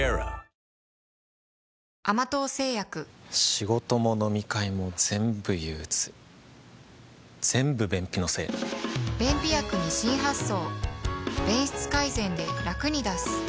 仕事も飲み会もぜんぶ憂鬱ぜんぶ便秘のせい便秘薬に新発想